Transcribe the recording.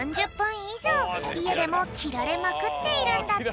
いじょういえでもきられまくっているんだって。